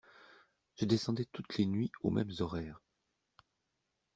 Je descendais toutes les nuits aux mêmes horaires.